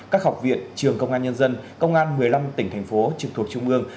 các học viện trường công an nhân dân công an một mươi năm tỉnh thành phố trực thuộc trung ương